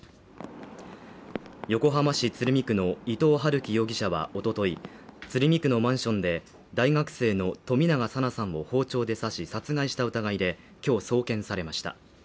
横浜市鶴見区の伊藤龍稀容疑者は、おととい鶴見区のマンションで、大学生の冨永紗菜さんも包丁で刺し殺害した疑いで今日送検されました。